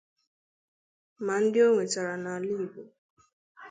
ma ndị o nwetara n'ala Igbo